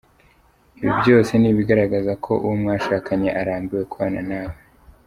Ibi byose ni ibigaragaza ko uwo mwashakanye arambiwe kubana nawe.